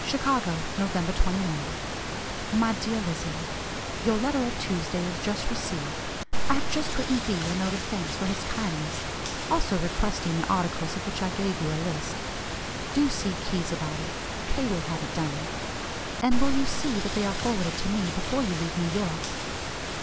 "CHICAGO, November 21. "MY DEAR LIZZIE: Your letter of Tuesday is just received. I have just written B. a note of thanks for his kindness; also requesting the articles of which I gave you a list. Do see Keyes about it; K. will have it done. And will you see that they are forwarded to me before you leave New York?